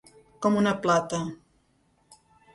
Com una plata.